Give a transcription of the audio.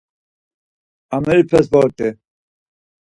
Amerepes vort̆i.